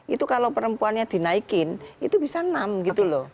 itu kalau perempuannya dinaikin itu bisa enam gitu loh